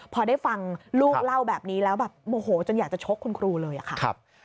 พอได้ฟังลูกเล่าแบบนี้แล้วแบบโมโหจนอยากจะชกคุณครูเลยอะค่ะ